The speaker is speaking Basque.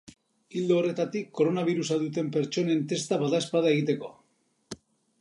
Ildo horretatik, koronabirusa duten pertsonen testa badaezpada egiteko.